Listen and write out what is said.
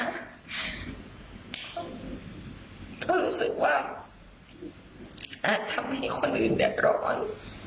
ก็รู้สึกว่าอาจทำให้คนอื่นเดือดร้อน